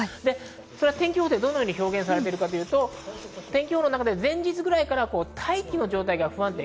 天気予報でどう表現されているかというと、前日くらいから大気の状態が不安定。